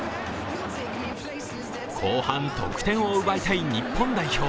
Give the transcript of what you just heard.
後半得点を奪いたい日本代表。